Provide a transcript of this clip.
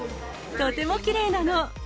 とてもきれいなの。